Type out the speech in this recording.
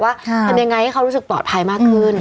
ทำยังไงให้เขารู้สึกปลอดภัยมากขึ้น